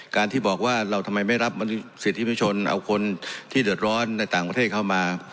การที่บอกว่าเราทำไมไม่รับสิทธิประชนเอาคนที่เดือดร้อนในต่างประเทศเข้ามา